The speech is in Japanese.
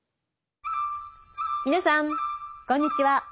皆さんこんにちは。